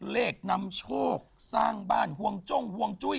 เลขนำโชคสร้างบ้านห่วงจงห่วงจุ้ย